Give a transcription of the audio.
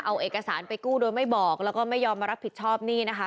เอาเอกสารไปกู้โดยไม่บอกแล้วก็ไม่ยอมมารับผิดชอบหนี้นะคะ